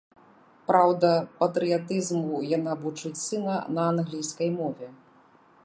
Праўда, патрыятызму яна вучыць сына на англійскай мове.